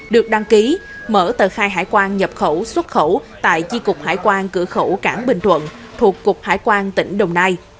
được đăng ký mở tờ khai hải quan nhập khẩu xuất khẩu tại chi cục hải quan cửa khẩu cảng bình thuận thuộc cục hải quan tỉnh đồng nai